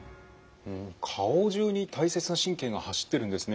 顔中に大切な神経が走ってるんですね。